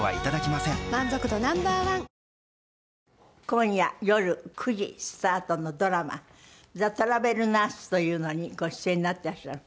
今夜夜９時スタートのドラマ『ザ・トラベルナース』というのにご出演になっていらっしゃる。